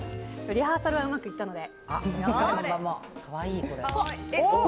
リハーサルはうまくいったので。